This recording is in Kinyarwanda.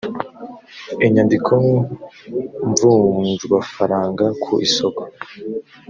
inyandiko mvunjwafaranga ku isoko